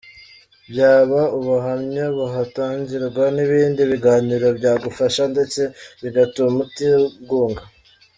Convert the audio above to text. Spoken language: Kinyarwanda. Byaba ubuhamya buhatangirwa n’ibindi biganiro byagufasha ndetse bigatuma utigunga.